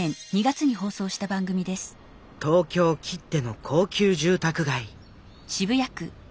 東京きっての高級住宅街。